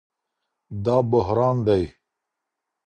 دا بحران دئ